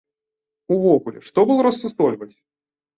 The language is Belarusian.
Увогуле, што было рассусольваць?